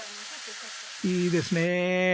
いいですねえ！